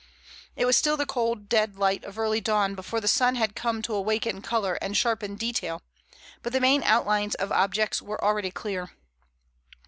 It was still the cold, dead light of early dawn before the sun had come to awaken color and sharpen detail, but the main outlines of objects were already clear.